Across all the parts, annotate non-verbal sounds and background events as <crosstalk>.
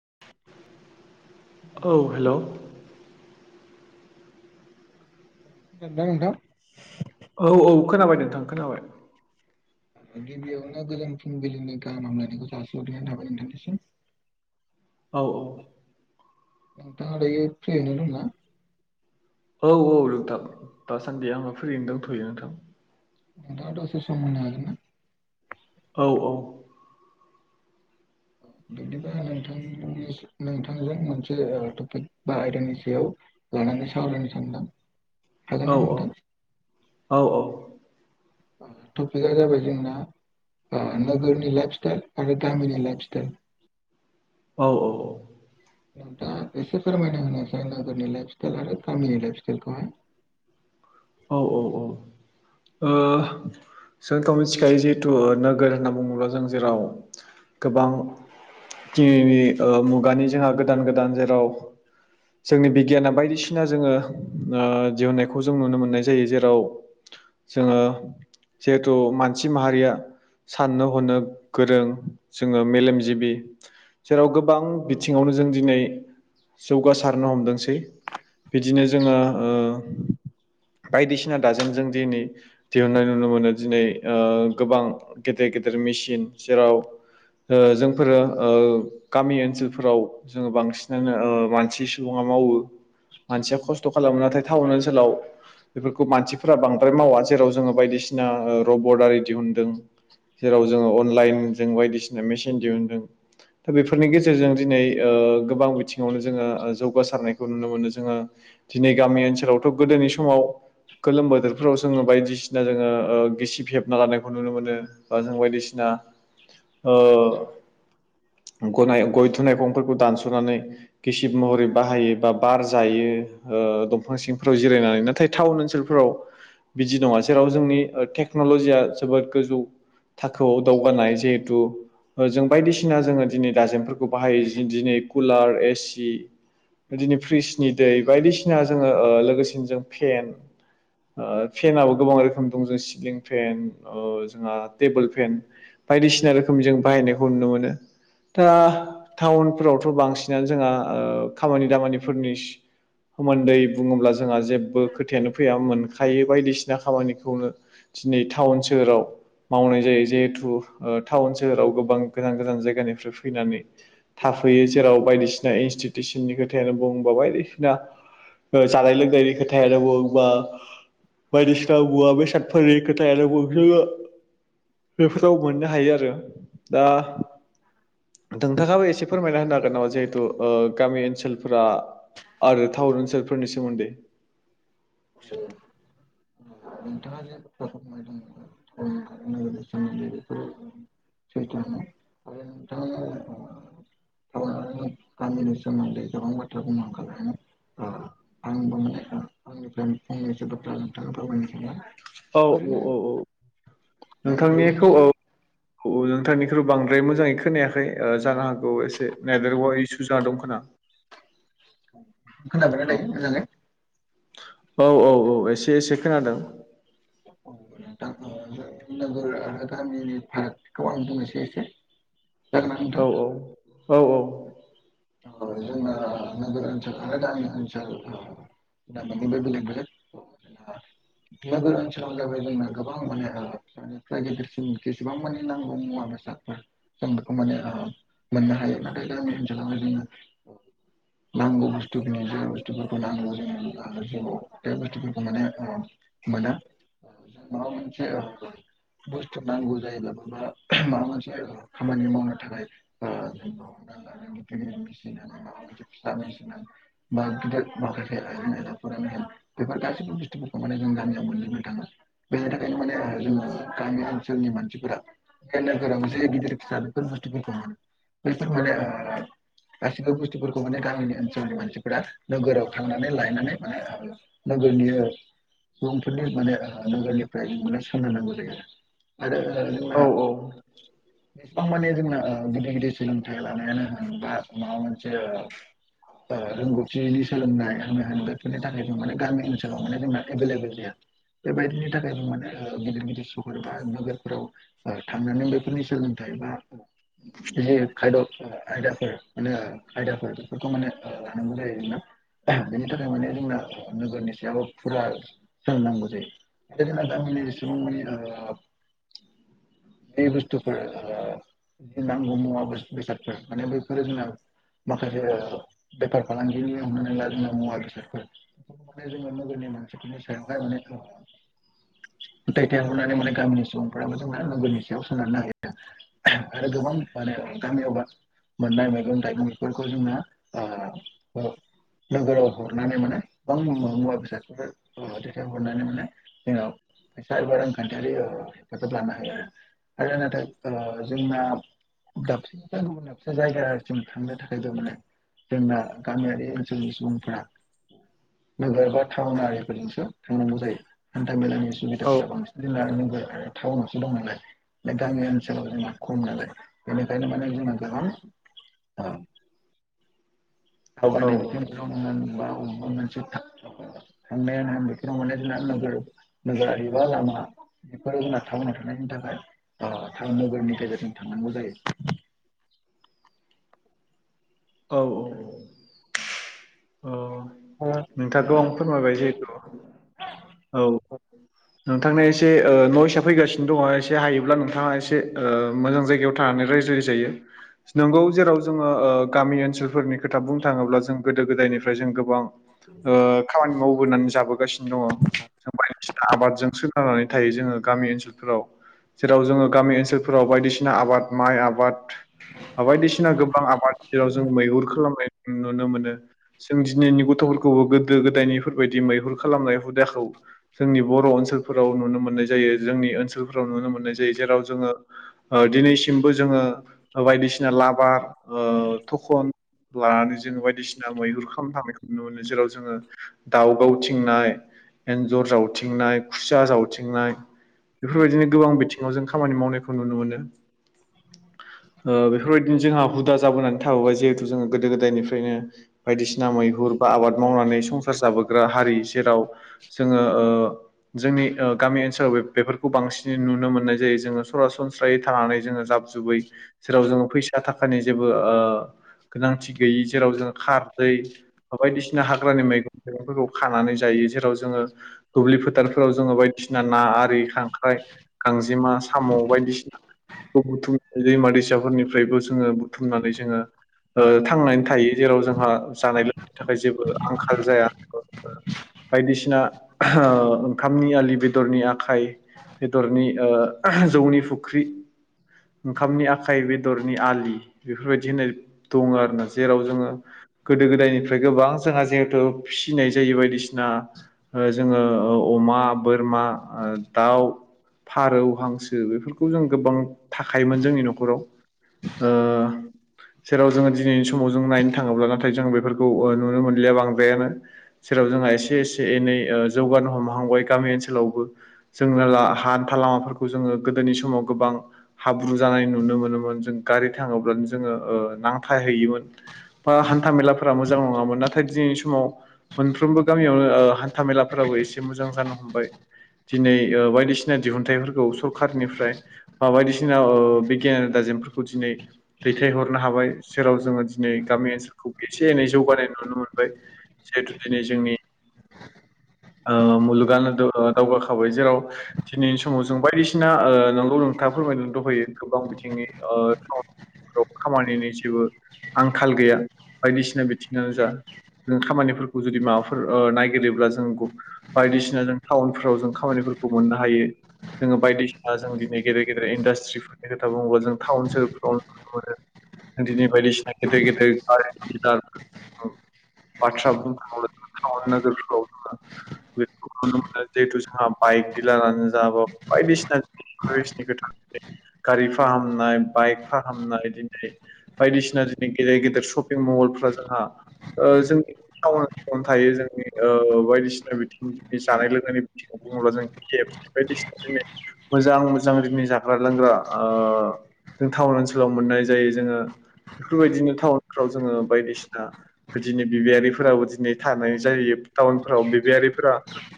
<inaudible> औव हेल' नोंथां खोनादोंना नोंथां? औव औव खोनाबाय नोंथां खोनाबाय। गिबियावनो गोजोन फुंबिलिनि गाहाम हामलायनायखौ जासिहरनाय थाबाय नोंथांनिसम। औव औव। नोंथांया दायो फ्रियैनो दं ना? औव औव नोंथां दासान्दि आंहा फ्रियैनो दंथ'यो नोंथां। द दसे सम होनो हागोना। औव औव औव <inaudible> बिदिब नोंथांनिसिम नोंथांजों मोनसे ओ टपिक बा आयदानि सायाव आ सावरायनो सानदों हागोना नोंथां? औव औव टपिका जाबाय जोंना नगोरनि लाइफस्टाइल आरो तामिलनि लाइफ सटाइल औ औ औ। नोंथां'आ एसे फोरमायना होनोसै नोगोरनि लाइफ स्टाइल आरो गामिनि लाइफ स्टाइलखौहाय <inaudible> औ औ औ। जोंथाव मिथिखायो जिहेतु नोगोर होनना बुङोब्ला जों जेराव गोबां दिनैनि मुगानि जोंहा गोदान गोदान जेराव। जोंनि बिगियाना बायदिसिना जोङो ओ दिहुननायखौ जों नुनो मोनो। नाय जायो जेराव जोङो जिहेथु मानसि माहारिया साननो हनो गोरों जोङो मेलेमजिबि जेराव गोबां बिथिङावनो जों दिनै जौगासारनो हमदोंसै। बिदिनो जोङो। ओ बायदिसिना दाजमजों दिनै दिहुननाय नुनो मोनो दिनै ओ गोबां गेदेर गेदेर मेसिन जेराव ओ जोंफोरो ओ गामि ओनसोलफोराव जोङो बांसिनानो ओ मानसि सुबुङा मावो मानसिया खस्थ' खालामो नाथाय टाउन ओनसोलाव बेफोरखौ मानसिफोरा बांद्राय मावा जेराव जोङो बायदिसिना रबट आरि दिहुनदों। जेराव जोङो अनलाइनजों बायदिसिना मेसिन दिहुुनदों दा बेफोरनि गेजेरजों दिनै ओ गोबां बिथिङावनो जोङो ओ जौगासारनायखौ नुनो मोनो जोङो दिनै गामि ओनसोलावथ' गोदोनि समाव गोलोम बोदोरफोराव जोङो बायदिसिना जोङो ओ गिसिब हेबना लानायखौ नुनो मोनो बा जों बायदिसिना दा ओ <inaudible> गदायाव गय थु नायइगंफोरखौ दानस'नानै गिसिब महरै' बाहायो बा बार जायो। ओ दंफां सिंफ्राव जिरायनानै नाथाय टाउन ओनसोलफोराव। बिदि नङा जेराव जोंनि टेक्न'लजिया जोबोद गोजौ थाखोआव दावगानाय जिहेथु ओ जों बायदिसिना जोङो दिनै दजमफोरखौ बाहायो जि दिनै कुलार एसि बिदिनो फ्रिजनि दै बायदिसिना जोङो ओ लोगोसेनो जों फेन। ओ फेनाबो गोबां रोखोम दं जों सिलिं फेन ओ जोंहा टेबोल फेन बायदिसिना रोखोम जों बाहायनायखौ नुनो मोनो। दा टाउनफोरावथ' बांसिनानो जोंहा ओ खामानि दामानिफोरनि सि सोमोन्दै बुङोब्ला जोंहा जे बो खोथायानो फैया मोनखायो बायदिसिना खामानिखौनो दिनै टाउन सोहोराव। मावनाय जायो। जिहेथु टाउन सोहोराव गोबां गोजान गोजान जायगानिफ्राय फैनानै थाफैयो जेराव बायदिसिना इनस्टिटिउसननि खोथायानो बुं बा बायदिसिना जानाय लोंनायनि <unintelligible> बायदिसिना मुवा बेसादफोनि <unintelligible> बेफोराव मोननो हायो। आरो दा नोंथाङाबो एसे फोरमायना होनो हागोन नामा? जिहेथु गामि ओनसोलफोरा आरो टाउन ओनसोलफोरनि सोमोन्दै औ। नोंथाङा जे <unintelligible> <unintelligible> <unintelligible> <unintelligible> आंबो मोने आंनिफ्रायनो <inaudible> फोरमायनो <inaudible> औ औ ओरैनो औ औ ओरैनो नोंथांनिखौ जों औ औ नोंथांनिख्रु बां बाय मोजाङै खोनायाखै जानो हागौ एसे नेटवक इसु जादं खोना खोनाबाय दायो मोजाङै? औ औ औ एसे एसे खोनादों। औ <inaudible> औ औ <inaudible> औ औ <inaudible> जा माने बेलेग बेलेग नोगोर ओनसोलाव जाबाय जोंना गोबां माने प्राय गेदसिम जेसेबां माने नांगौ मुवा बे जों बेखौ माने ओ मोननो हायो नाथाय ओनसोलावहाय नांगौ बुस्थु <unintelligible> बे बुस्थुफोरखौ माने ओ मोना माबा मोनसे बुस्थु नांगौ जायोब्ला मा माबा मोनसे खामानि मावनो थाखाय ओ <inaudible> <unintelligible> बेफोर गासैबो बुस्थुफोरखौ माने जों गामियाव मोनजोबनो थाङो बेनि थाखायनो माने जोङो गामि ओनसोलनि मानसिफोरा <unintelligible> गिदिर फिसा बेफोर बुस्थुफोरखौ बेफोर माने ओ गासिबो बुस्थुफोरखौ माने गामिनि ओनसोलनि मानसिफोरा नोगोराव थांनानै लायनानै माने नोगोरनि सुबुंफोरनि माने ओ नोगोरनिफ्राय माने सोनारनांगौ जायो आरो आरो जोंना औ गोबां माने जोंना ओ गिदिर गिदिर सोलोंथाइ लानायानो होन बा माबा मोनसे ओ ओ रोंगौथिनि सोलोंनाय होननाय होन बेफोरनि थाखाय जों माने गामि ओनसोलाव माने जोंना एभेलेबेल जाया बेबायदिनि थाखायनो माने गिदिर गिदिर सहर बा नोगोरफोराव थांनानै बेफोरनि सोलोंथाइ बिदि खायाद' आयदाफोर माने आयदाफोर बेफोरखौ माने ओ लानांगौ जायो जों ना बेनि थाखाय माने जोंना नोगोरनि सायाव फुरा सोलोंनांगौ जायो <unintelligible> गामिनि सुबुं माने ओ बे बुस्थुफोर ओ नांगौ मुवा बुस बेसाद माने बैफोर जोंना माखासे बेफार फालांगिनि हमनानै ला जोङो मुवा बेसादफोर बे माने जोङो <unintelligible> <unintelligible> दैथायहरनानै माने गामिनि सुबुंफोराबो जोंना मबेलनि सायाव सोनारनो हायो आरो गोबां माहोनो गामियावबा मोननाय मैगं थाइगंफोरखौ जोंङो ओ नोगोराव हरनानै माने गोबां मुवा बेसाद <unintelligible> देखायहरनानै माने जोंनाव जायबा रांखान्थिआरि ओ <unintelligible> लानो हायो आरो आरो नोंथां ओ जोंना <unintelligible> जायगासिम थांनो थाखाय बेव माने जोंना गामियारि ओनसोलनि सुबुंफ्रा नोगोर बा टावनारिफोर थांनांगौ जायो हान्था मेलानि सुबिदाफोरा बांसिन <unintelligible> टाउनावसो दं नालाय बे गामि ओनसोलाव जोंहा खम नालाय बेनिखायनो माने जों गोबां <unintelligible> <unintelligible> थांनाया औ <unintelligible> बेफोराव माने नोगोरारि बा लामा बेफोर जोंना टाउनाव थानायनि थाखाय ओ टाउन नोगोरनि गेजेरजों थांनांगौ जायो। <inaudible> औ औ <inaudible> अ ओ नोंथांखौ आं फोरमायबाय जेथु औ नोंथांना एसेह ओ नयसआ फैगासिनो दङ एसे हायोब्ला नोंथाङा एसे ओ मोजां जायगायाव थानानै राय <unintelligible> जायो नोंगौ जेराव जोङो गामि ओनोलफोरनि खोथा बुंनो थाङोब्ला जों गोद गोदो गोदायनिफ्राय जों गोबां ओ खामानि माव बोनानै जाबोगासिनो दङ जों बायदिसिना आबादजों सोनारनानै थायो जोङो गामि ओनसोलफोराव जेराव जोङो गामि ओनसोलफोराव बायदिसिना आबाद माइ आबाद बायदिसिना गोबां आबादाव जेराव जों मैहुर खालामनाय नुनो मोनो जों दिनैनि गथ'फोरखौबो गोदो गोदायनिफोरबायदि मैहुर खालामनाय हुदाखौ जोंनि बर' ओनोलाव नुनो मोननाय जायो जोंनि ओनोलाव नुनो मोननाय जायो जेराव जोङो दिनैसिमबो जोंङो बायदिसिना लाबार थ'खन लानानै जों बायदिसिना मैहुर खामनायखौ नुनो मोनो जेराव जोङो दाव गावथिंनाय एन्जर जावथिंनाय खुसिया जावथिंनाय बेफोरबायदिनो गोबां बिथिङाव जों खामानि मावनायखौ नुनो मोनो बेफोरबायदिनो जोंहा हुदा जाबोनानै थाबोबा जिहेथु जोंङो गोदो गोदायनिफ्रायनो बायदिसिना मैहुर बा आबाद मावनानै संसार जाबोग्रा हारि जेराव जोङो जोंनि गामि ओनसोलाव बेफोरखौ बांसिनै नुनो मोननाय जायो जोङो सरासनस्रायै थानानै जोङो जा <unintelligible> जेराव जोङो फैसा थाखानि जेबो गोनांथि गैयै जेराव जोङो खार दैै बायदिसिना हाग्रानि मैगं थाइगंफोरखौ खानानै जायो जेराव जोङो दुब्लि फोथारफोराव जोङो बायदि बायदिसिना ना आरि खांख्राइ गांजेमा साम' बायदिसिना बुथुमनानै दैमा दैसाफोरनिफ्रायबो जोङो बुथुमनानै जोङो थांनानै थायो जेराव जोंहा जानाय लोंनायनि थाखाय जेबो आंखाल जाया बायदिसिना ओंखामनि आलि बेदरनि आखाइ बेदरनि जौनि फुख्रि ओंखामनि आखाइ बेदरनि आलि बेफोरबायदि होननाय दङ आरोना जेराव जोङो गोदो गोदायनिफ्राय गोबां जोंहा जिहेथु फिसिनाय जायो बायदिसिना जोङो अमा बोरमा दाउ फारौ हांसो बेफोरखौ जों गोबां थाखायोमोन जोंनि न'खराव ओ जेराव जोङो दिनैनि समाव जों नायनो थाङोब्ला जों बेफोरखौ नुनो मोनलि बांद्रायानो जेराव जोंहा एसे एसे एनै जौगानो हमहां हय गामि ओनसोलावबो जोंङो हान्था लामाफोरखौ जोङो गोदोनि समाव गोबां हा बुजानाय नुनो मोनोन जों गारि थाङोब्लानो जोङो नांथाहैयो मोन हान्थाामेलाफोरा मोजां नङामोन नाथाय दिनै समाव मोनफ्रोमबो गामियावनो हान्था मेलाफोराबो एसे मोजां जानो हमबाय दिनै बायदिसिना दिहुनथाइफोरखौ सरखारनिफ्राय बा बायदिसिना बिगियाना दा दिनै दैथायहरनो हाबाय जेराव जोङो दिनै गामि ओनसोल एसे एनै जौगानाय नुनो मोनबाय जिहेथु दिनै जोंनि <inaudible> मुलुगानो दावगाखाबाय जेराव दिनैनि समाव जों बायदिसिना नंगौ नोंथां फोरमायनो दहैयो गोबां बिथिंनि खामानिनि जेबो आंखाल गैया बायदिसिना बिथिङानो जा जों खामानिफोरखौ जुदि माबाफोर नायगिरोब्ला जों बायदिसिना जों टाउनफोराव जों खामानि फोरखौ मोननो हायो जोङो बायदिसिना जों दिनै गेदेर गेदेर इन्डास्ट्रिफोरनि खोथा बुङोब्ला जों थाउन सोहोरफ्राव नुनो मोनो बायदिसिना गेदेर गेदेर <unintelligible> <unintelligible> जिथु जोंहा बाइक दिलारानो जा बायदिसिना <unintelligible> खोथा गारि फाहामनाय बाइक फाहामनाय दिनै बायदिसिना दि गेदेर गेदेर शपिं महलफ्रा जोंहा जोंनि टाउन थायो जोंनि बायदिसिना बिथिंनि जानाय लोंनायनि बिथिङाव अब्ला जों <unintelligible> बायदिसिना मोजां मोजां <unintelligible> नि जाग्रा लोंग्रा जों टाउन ओनसोलाव मोननाय जायो जोङो बेफोरबायदिनो टाउन फ्राव जोङो बायदिसिना बिदिनो बिबायारिफोराबो दिनै थानाय जायो। टाउनफोराव बिबायारिफोरा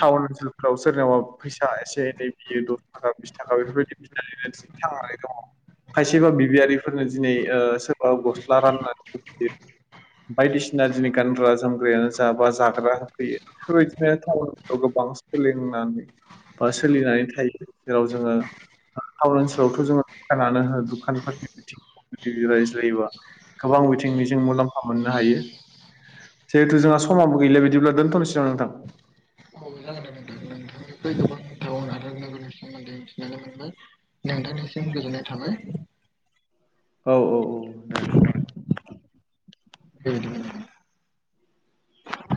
टाउन ओनसोलफोराव सोरनावबा फैसा एसे एनै बियो दस थाखा बिस थाखा बेफोरबायदि बिनानै थांनानै दङ खायसेबा बिबियारिफोरनो दिनै ओ सोरबा गस्ला रानना <unintelligible> बायदिसिना दिनै गानग्रा जोमग्रायानो जाबा जाग्रा होफैयो बेफोरबायदिनो टाउनफोराव गोबां गोबां सोलोंनानै बा सोलिनानै थायो जेराव जोङो टाउन ओनसोलावथ' जोङो दखानानो होन दुखानफोरनि बिं <unintelligible> रायज्लायोबा गोबां बिथिंनि जों मुलाम्फा मोननो हायो। जिहेथु जोंहा समाबो गैला बिदिब्ला दोनथ'निसै नामा नोंथां? औ जागोन नोंथां <unintelligible> सोमोन्दै मोनथिनो मोनबाय नोंथांनिसिम गोजोननाय थाबाय। औ औ औ दे औ। <unintelligible>